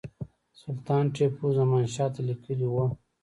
سلطان ټیپو زمانشاه ته لیکلي وه.